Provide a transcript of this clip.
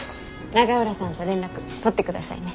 永浦さんと連絡取ってくださいね。